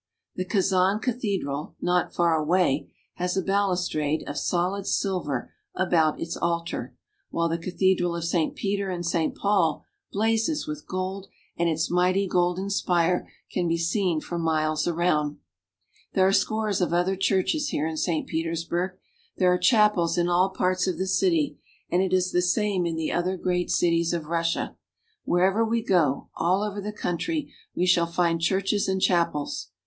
The Kazan cathedral, not far away, has a balustrade of Saint Isaac's Cathedral. solid silver about its altar; while the cathedral of Saint Peter and Saint Paul blazes with gold, and its mighty golden spire can be seen for miles around. There are scores of other churches here in St. Peters burg. There are chapels in all parts of the city, and it is the same in the other great cities of Russia. Wherever we go, all over the country, we shall find churches and chapels.